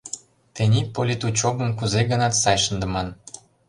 Тений политучёбым кузе-гынат сай шындыман!